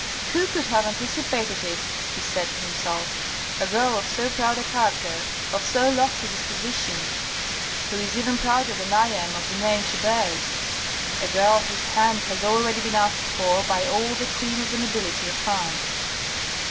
"Who could have anticipated it?" he said to himself. "A THE HELL OF WEAKNESS 45 1 girl of so proud a character, of so lofty a disposition, who is even prouder than I am of the name she bears ? A girl whose hand has already been asked for by all the cream of the nobility of France."